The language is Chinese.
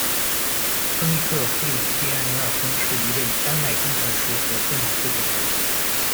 亨利克·弗里斯蒂克·尼耳森是一位丹麦工程师和电脑科学家。